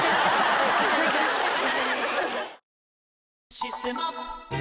「システマ」